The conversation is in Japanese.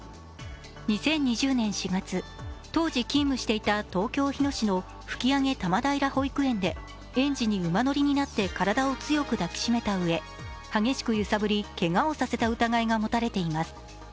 ２０２０年４月、当時勤務していた東京・日野市の吹上多摩平保育園で園児に馬乗りになって体を強く抱きしめたうえ、激しく揺さぶりけがをさせた疑いが持たれています。